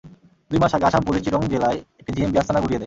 দুই মাস আগে আসাম পুলিশ চিরং জেলায় একটি জেএমবি আস্তানা গুঁড়িয়ে দেয়।